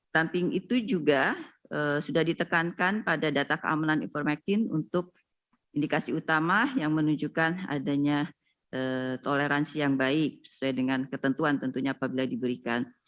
samping itu juga sudah ditekankan pada data keamanan ivermectin untuk indikasi utama yang menunjukkan adanya toleransi yang baik sesuai dengan ketentuan tentunya apabila diberikan